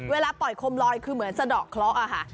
เวลาปล่อยโคมลอยคือเหมือนอย่างเป็นสะเดาะเคราะห์อ่ะค่ะ